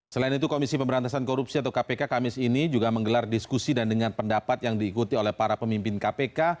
selain itu komisi pemberantasan korupsi atau kpk kamis ini juga menggelar diskusi dan dengan pendapat yang diikuti oleh para pemimpin kpk